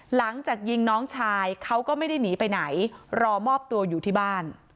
หลังจากยิงน้องชายเขาก็ไม่ได้หนีไปไหนรอมอบตัวอยู่ที่บ้าน